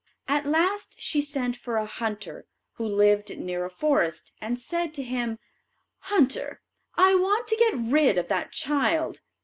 At last she sent for a hunter, who lived near a forest, and said to him, "Hunter, I want to get rid of that child.